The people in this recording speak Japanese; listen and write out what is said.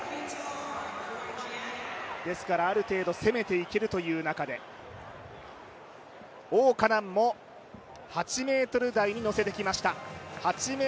ですから、ある程度、攻めていけるという中で王嘉男も８ｍ台に乗せてきました。